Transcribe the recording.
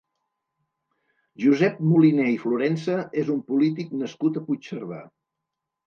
Josep Moliner i Florensa és un polític nascut a Puigcerdà.